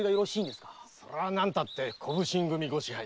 そりゃ何たって小普請組ご支配。